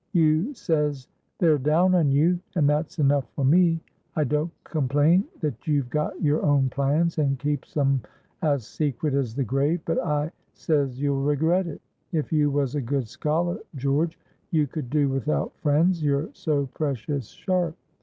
You says they're down on you, and that's enough for me. I don't complain that you've got your own plans and keeps 'em as secret as the grave, but I says you'll regret it. If you was a good scholar, George, you could do without friends, you're so precious sharp.